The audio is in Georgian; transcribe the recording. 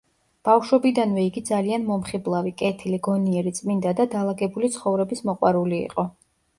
ბავშვობიდანვე იგი ძალიან მომხიბლავი, კეთილი, გონიერი, წმინდა და დალაგებული ცხოვრების მოყვარული იყო.